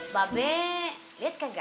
bapak eh kek gila